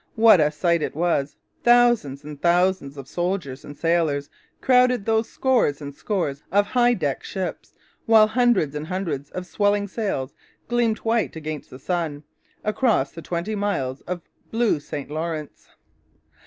What a sight it was! Thousands and thousands of soldiers and sailors crowded those scores and scores of high decked ships; while hundreds and hundreds of swelling sails gleamed white against the sun, across the twenty miles of blue St Lawrence.